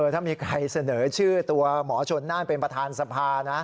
ถ้ามีใครเสนอชื่อตัวหมอชนน่านเป็นประธานสภานะ